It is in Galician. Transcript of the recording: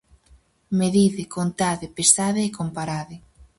Medide, contade, pesade e comparade.